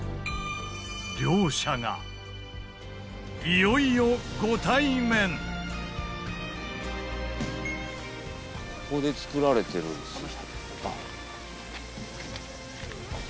いよいよここで作られてるんですね。